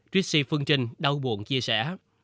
tracy phương trình đau buồn chia sẻ